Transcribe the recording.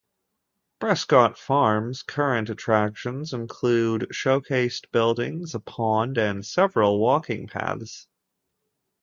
Prescott Farm's current attractions include showcased buildings, a pond, and several walking paths.